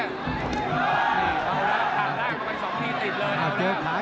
นี่เส้าล่างถ่าล่างกับไปสองที่ติดเลยนะ